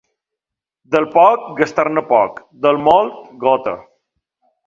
Del poc, gastar-ne poc; del molt, gota.